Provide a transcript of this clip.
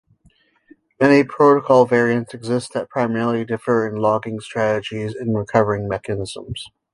Many protocol variants exist that primarily differ in logging strategies and recovery mechanisms.